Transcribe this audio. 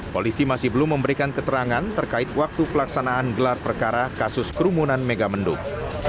polisi masih belum memberikan keterangan terkait waktu pelaksanaan gelar perkara kasus kerumunan megamendung